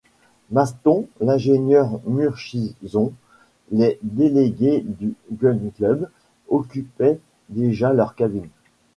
Maston, l’ingénieur Murchison, les délégués du Gun-Club occupaient déjà leur cabine.